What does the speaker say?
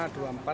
dan ke kpu ri